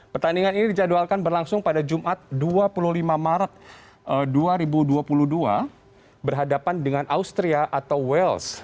pertandingan ini dijadwalkan berlangsung pada jumat dua puluh lima maret dua ribu dua puluh dua berhadapan dengan austria atau wales